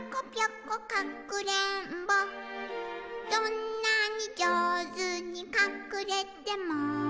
「どんなにじょうずにかくれても」